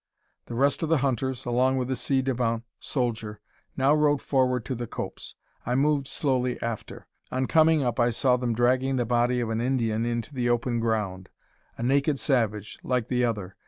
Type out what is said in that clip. The rest of the hunters, along with the ci devant soldier, now rode forward to the copse. I moved slowly after. On coming up, I saw them dragging the body of an Indian into the open ground: a naked savage, like the other.